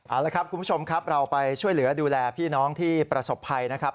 เอาละครับคุณผู้ชมครับเราไปช่วยเหลือดูแลพี่น้องที่ประสบภัยนะครับ